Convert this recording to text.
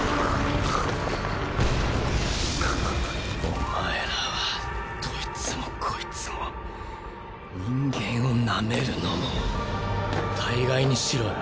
お前らはどいつもこいつも人間をなめるのも大概にしろよ。